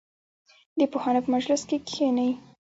د پوهانو په مجلس کې کښېنئ.